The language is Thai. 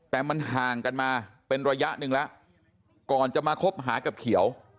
แต่มันห่างกันมาเป็นระยะหนึ่งแล้วก่อนจะมาคบหากับเขียว